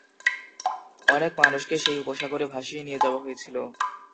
অনেক মানুষকে সেই উপসাগরে ভাসিয়ে নিয়ে যাওয়া হয়েছিল।